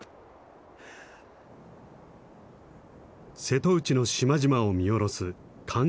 瀬戸内の島々を見下ろす寒霞渓。